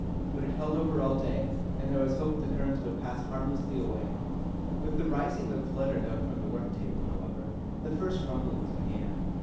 But it held over all day, and there was hope the currents would pass harmlessly away. With the rising of Flutter Duck from the work table, however, the first rumblings began.